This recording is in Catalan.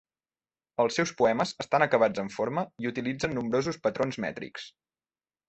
Els seus poemes estan acabats en forma i utilitzen nombrosos patrons mètrics.